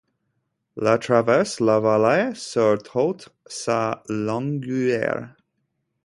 La traverse la vallée sur toute sa longueur.